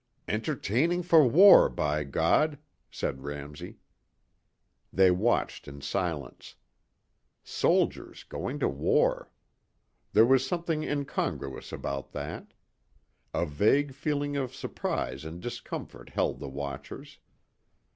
"Entraining for war, by God!" said Ramsey. They watched in silence. Soldiers going to war! There was something incongruous about that. A vague feeling of surprise and discomfort held the watchers.